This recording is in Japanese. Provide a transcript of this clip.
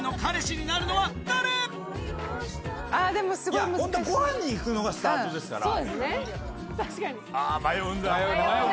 ごはんに行くのがスタートですから。